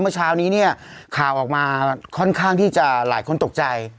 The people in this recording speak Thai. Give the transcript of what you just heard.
เมื่อเช้านี้เนี่ยข่าวออกมาค่อนข้างที่จะหลายคนตกใจ